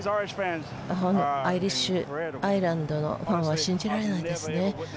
アイリッシュアイルランドのファンは信じられないですね。